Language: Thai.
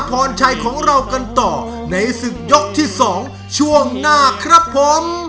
พรชัยของเรากันต่อในศึกยกที่สองช่วงหน้าครับผม